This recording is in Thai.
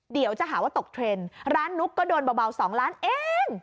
เดี๋ยวจะหาว่าตกเทรนด์ร้านนุ๊กก็โดนเบา๒ล้านเอง